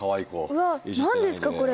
うわっ何ですかこれ。